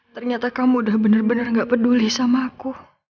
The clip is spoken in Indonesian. ternyata kamu udah bener bener gak peduli sama aku